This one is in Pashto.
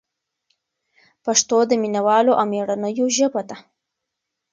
پښتو د مینه والو او مېړنیو ژبه ده.